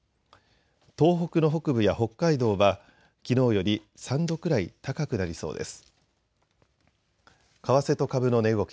東北の北部や北海道はきのうより３度くらい高くなりそうです。